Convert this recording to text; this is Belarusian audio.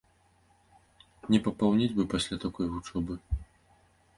Не папаўнець бы пасля такой вучобы.